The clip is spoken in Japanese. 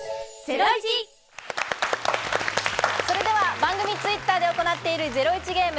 番組Ｔｗｉｔｔｅｒで行っているゼロイチゲーム